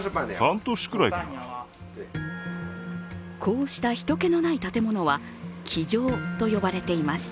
こうした人けのない建物は鬼城と呼ばれています。